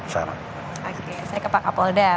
saya ke pak kapolda